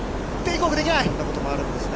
こんなこともあるんですね。